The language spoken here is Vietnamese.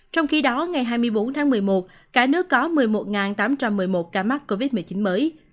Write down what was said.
trong khi đó ngày hai mươi bốn tháng một mươi một cả nước có một mươi một tám trăm một mươi một ca mắc covid một mươi chín mới